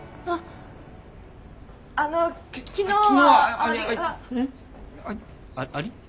あっ「あり」？